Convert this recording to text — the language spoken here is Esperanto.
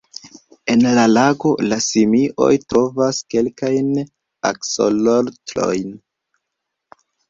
En la lago, la simioj trovas kelkajn aksolotlojn.